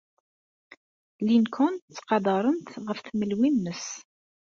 Lincoln ttqadaren-t ɣef tmelwi-nnes.